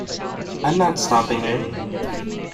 I'm not stopping you!